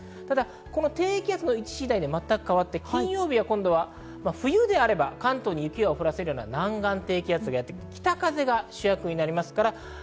ただ、この低気圧の位置次第で全く変わって金曜日は冬であれば関東に雪を降らせるような南岸低気圧の北風が主役になりますから。